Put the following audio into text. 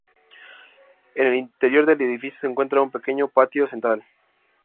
En el interior del edificio se encuentra un pequeño patio central.